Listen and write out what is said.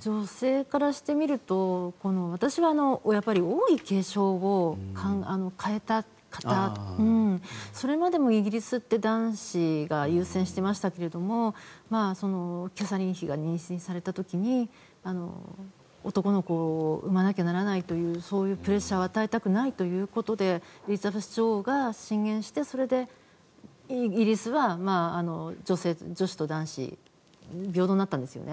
女性からしてみると私は王位継承を変えた方それまでもイギリスって男子が優先していましたけれどキャサリン妃が妊娠された時に男の子を生まなきゃならないというそういうプレッシャーを与えたくないということでエリザベス女王が進言してそれでイギリスは女子と男子が平等になったんですよね。